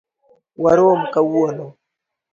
Warom kawuono.